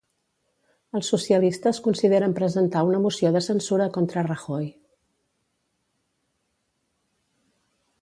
Els socialistes consideren presentar una moció de censura contra Rajoy.